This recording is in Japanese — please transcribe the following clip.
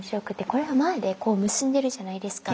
これは前でこう結んでるじゃないですか。